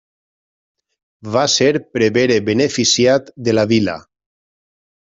Va ser prevere beneficiat de la vila.